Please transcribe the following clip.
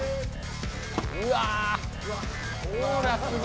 うわ！